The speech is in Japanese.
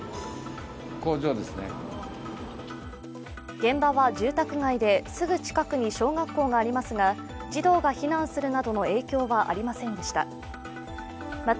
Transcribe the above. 現場は住宅街で、すぐ近くに小学校がありますが、児童が避難するなどの影響はありませんでした。